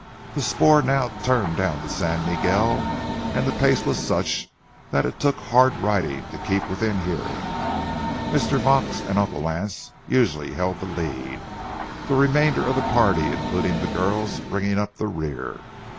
The spoor now turned down the San Miguel, and the pace was such that it took hard riding to keep within hearing. Mr. Vaux and Uncle Lance usually held the lead, the remainder of the party, including the girls, bringing up the rear.